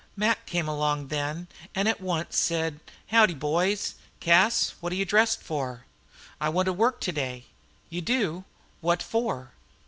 Mac came along then, and at once said "Howdy, boys. Cas, what are you dressed for?" "I want to work today." "You do? What for?"